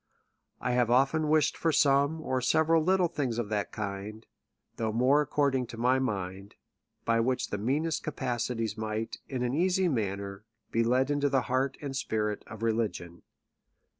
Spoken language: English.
I have often wished for some, or several little things of that kind, though more accord ing to my mind ; by which the meanest capacities might, in an easy manner, be led into the heart and spirit of religion.